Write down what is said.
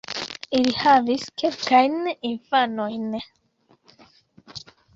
Ili havis kelkajn infanojn.